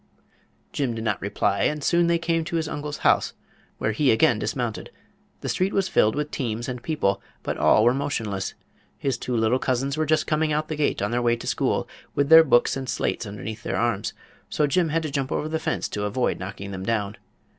Jim did not reply, and soon they came to his uncle's house, where he again dismounted. The street was filled with teams and people, but all were motionless. His two little cousins were just coming out the gate on their way to school, with their books and slates underneath their arms; so Jim had to jump over the fence to avoid knocking them down.